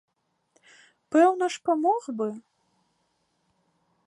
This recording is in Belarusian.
Пэўна ж памог бы.